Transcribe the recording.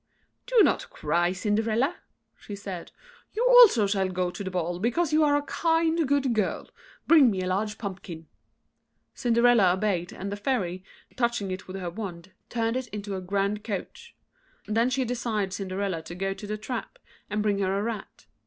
"Do not cry, Cinderella," she said; "you also shall go to the ball, because you are a kind, good girl. Bring me a large pumpkin." Cinderella obeyed, and the Fairy, touching it with her wand, turned it into a grand coach. Then she desired Cinderella to go to the trap, and bring her a rat.